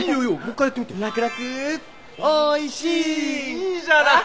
いいじゃない。